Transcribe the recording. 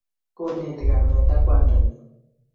Koneti kamet ak kwandanyin